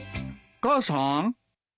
母さん。